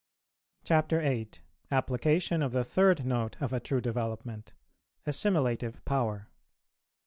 CHAPTER VIII. APPLICATION OF THE THIRD NOTE Of A TRUE DEVELOPMENT. ASSIMILATIVE POWER.